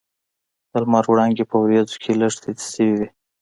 د لمر وړانګې په وریځو کې لږ تتې شوې وې.